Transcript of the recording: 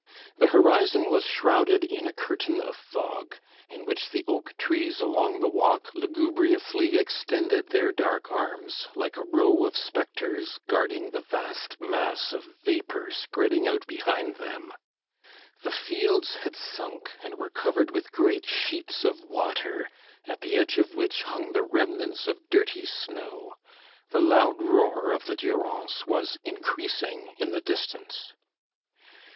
The horizon was shrouded in a curtain of fog, in which the oak trees along the walk lugubriously extended their dark arms, like a row of spectres guarding the vast mass of vapour spreading out behind them. The fields had sunk, and were covered with great sheets of water, at the edge of which hung the remnants of dirty snow. The loud roar of the Durance was increasing in the distance.